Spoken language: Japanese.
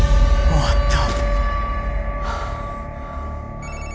☎終わった？